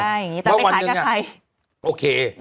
ว่าวันหนึ่งอะโอเค